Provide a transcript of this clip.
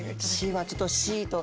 Ｃはちょっとシと！